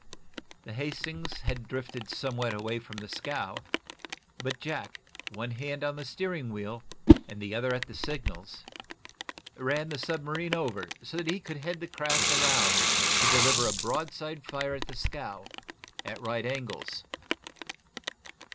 The "Hastings" had drifted somewhat away from the scow, but Jack, one hand on steering wheel and the other at the signals, ran the submarine over so that he could head the craft around to deliver a broadside fire at the scow, at right angles.